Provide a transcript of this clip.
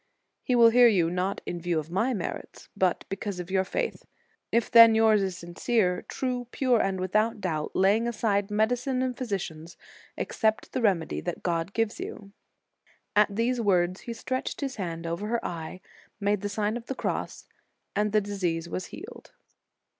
He will hear you, not in view of my merits, but because of your faith. If then, yours is sincere, true, pure, and without doubt, laying aside medicine and phy sicians, accept the remedy that God gives you. At these words he stretched his hand over her eye, made the Sign of the Cross, and the disease was healed."